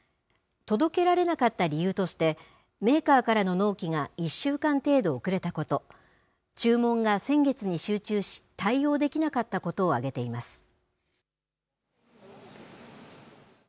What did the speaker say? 届けられなかった理由として、メーカーからの納期が１週間程度遅れたこと、注文が先月に集中し、対応できなかったことを挙げています。